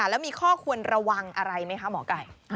แล้วมีข้อควรระวังอะไรไหมคะหมอไก่